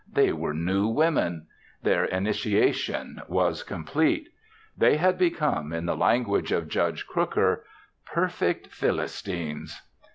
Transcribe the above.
They were new women. Their initiation was complete. They had become in the language of Judge Crooker, "perfect Phyllistines!"